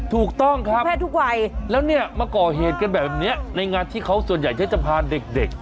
ถูกต้องครับแพทย์ทุกวัยแล้วเนี่ยมาก่อเหตุกันแบบนี้ในงานที่เขาส่วนใหญ่ถ้าจะพาเด็ก